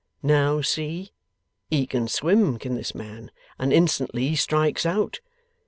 Now see! He can swim, can this man, and instantly he strikes out.